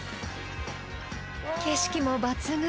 景色も抜群！